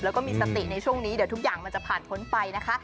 แล้วก็มีสติในช่วงนี้เดี๋ยวทุกอย่างมันจะผ่านพ้นไปนะคะ